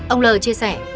ông l chia sẻ